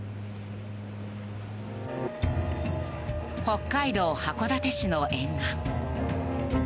北海道函館市の沿岸。